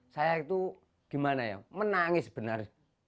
saya itu gimana ya menangis benar